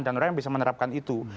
dan orang yang bisa menerapkan itu